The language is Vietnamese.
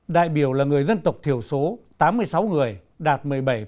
đại biểu là người dân tộc thiểu số tám mươi sáu người đạt một mươi bảy